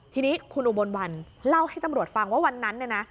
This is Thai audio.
ทีนี้คุณอุบลวันเล่าให้ตำรวจฟังว่าวันนั้นเนี่ยนะ